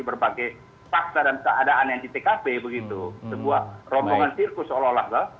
berbagai fakta dan keadaan yang di tkp begitu sebuah rombongan sirkus seolah olah